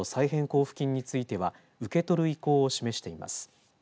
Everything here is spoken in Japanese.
交付金については受け取る意向を示しています。